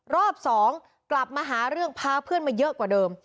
รอบสองกลับมาหาเรื่องพาเพื่อนมาเยอะกว่าเดิม